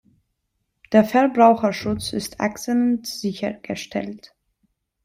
Der Verbraucherschutz ist exzellent sichergestellt.